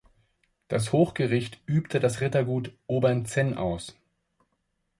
Das Hochgericht übte das Rittergut Obernzenn aus.